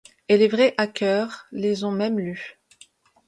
Et les vrais hackers les ont même lus.